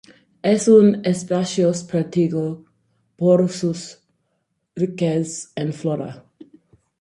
Es un espacio protegido por sus riqueza en flora.